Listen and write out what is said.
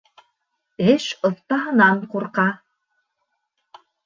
Эш оҫтаһынан ҡурҡа.